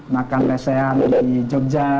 makan resean di jogja